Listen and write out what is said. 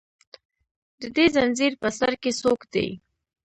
د دې زنځیر په سر کې څوک دي